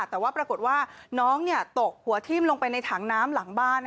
แต่ว่าปรากฏว่าน้องตกหัวทิ้มลงไปในถังน้ำหลังบ้าน